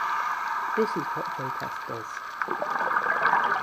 This is what J-test does.